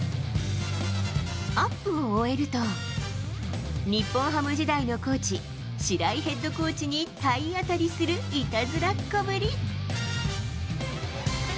アップを終えると、日本ハム時代のコーチ、白井ヘッドコーチに体当たりするいたずらっ子ぶり。